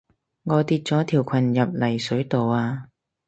我跌咗條裙入泥水度啊